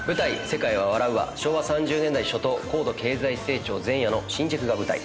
『世界は笑う』は昭和３０年代初頭高度経済成長前夜の新宿が舞台。